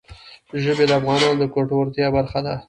ژبې د افغانانو د ګټورتیا برخه ده.